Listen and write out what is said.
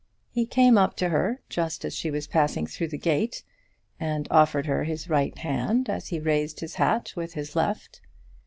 He came up to her just as she was passing through the gate, and offered her his right hand as he raised his hat with his left.